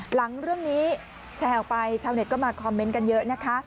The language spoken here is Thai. หลังเรื่องนี้แชร์ออกไปชาวเน็ตก็มาคอมเมนต์กันเยอะนะคะ